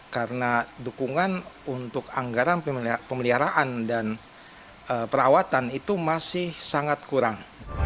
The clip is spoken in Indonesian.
karena dukungan untuk anggaran pemeliharaan dan perawatan itu masih sangat kurang